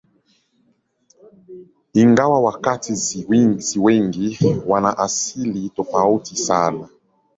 Ingawa wakazi si wengi, wana asili tofauti sana.